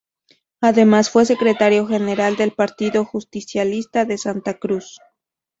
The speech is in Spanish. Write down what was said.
Además fue Secretario General del Partido Justicialista de Santa Cruz.